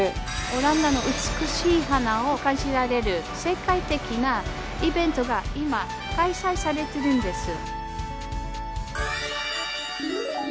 オランダの美しい花を感じられる世界的なイベントが、今、開催されているんです。